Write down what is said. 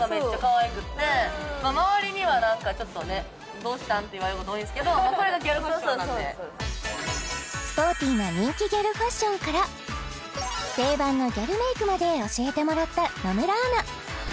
はい周りには何かちょっとね「どうしたん？」って言われること多いんすけどスポーティーな人気ギャルファッションから定番のギャルメイクまで教えてもらった野村アナ